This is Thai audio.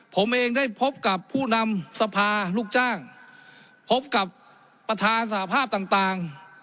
ผมเองได้พบกับผู้นำสภาลูกจ้างพบกับประธานสหภาพต่าง